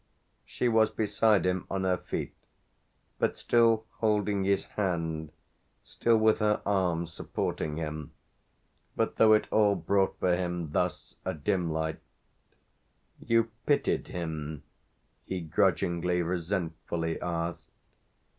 She was beside him on her feet, but still holding his hand still with her arm supporting him. But though it all brought for him thus a dim light, "You 'pitied' him?" he grudgingly, resentfully asked.